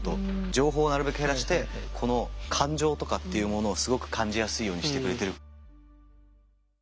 情報をなるべく減らしてこの感情とかっていうものをすごく感じやすいようにしてくれてる。